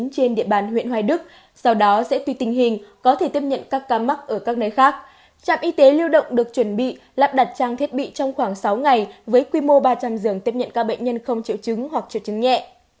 trạm y tế lưu động được chuẩn bị lắp đặt trang thiết bị trong khoảng sáu ngày với quy mô ba trăm linh giường tiếp nhận các bệnh nhân không triệu chứng hoặc triệu chứng nhẹ